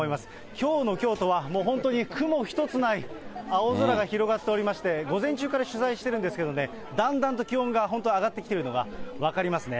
きょうの京都はもう本当に雲一つない青空が広がっておりまして、午前中から取材してるんですけどね、だんだんと気温が、本当上がってきてるのが分かりますね。